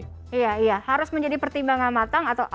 harus menjadi pertimbangan matang